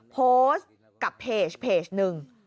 โพสต์กับเพจหนึ่ง